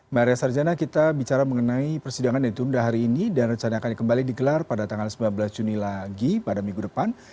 maria sarjana kita bicara mengenai persidangan yang ditunda hari ini dan rencana akan kembali digelar pada tanggal sembilan belas juni lagi pada minggu depan